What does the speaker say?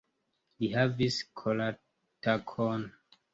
Li havis koratakon.